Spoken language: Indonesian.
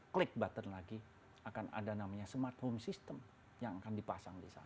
klik button lagi akan ada namanya smart home system yang akan dipasang di sana